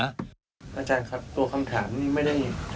อาจารย์ครับตัวคำถามนี่ไม่ได้